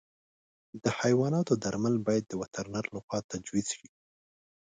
د حیواناتو درمل باید د وترنر له خوا تجویز شي.